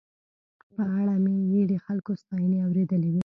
په اړه مې یې د خلکو ستاينې اورېدلې وې.